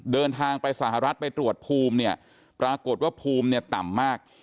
เดินทางไปสหรัฐไปตรวจภูมิเนี่ยปรากฏว่าภูมิเนี่ยต่ำมาก